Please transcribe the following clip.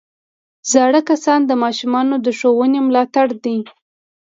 زاړه کسان د ماشومانو د ښوونې ملاتړ کوي